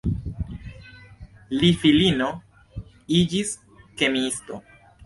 Li filino iĝis kemiisto.